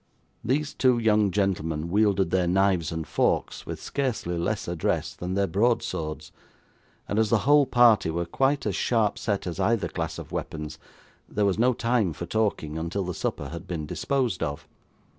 These two young gentlemen wielded their knives and forks with scarcely less address than their broad swords, and as the whole party were quite as sharp set as either class of weapons, there was no time for talking until the supper had been disposed of.